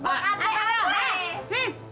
mak pak pak